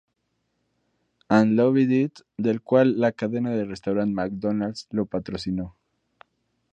And Lovin' It del cual la cadena de restaurante McDonald's lo patrocinó.